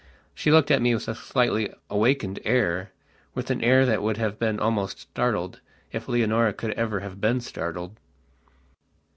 She looked at me with a slightly awakened airwith an air that would have been almost startled if Leonora could ever have been startled.